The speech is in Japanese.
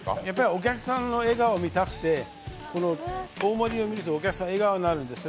お客さんの笑顔を見たくて大盛りを見るとお客さん笑顔になるんですよ